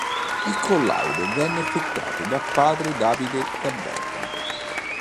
Il collaudo venne effettuato da Padre Davide da Bergamo.